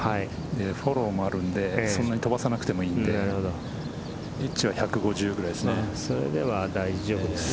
フォローもあるんで、そんなに飛ばさなくてもいいのでエッジは１５０くらいですね。